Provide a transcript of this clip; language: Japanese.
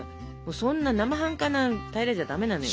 そんななまはんかな平らじゃ駄目なのよ。